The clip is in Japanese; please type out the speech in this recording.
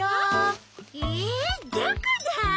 えどこだ？